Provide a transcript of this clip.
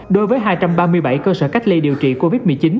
đối với hai trăm ba mươi bảy cơ sở cách ly điều trị covid một mươi chín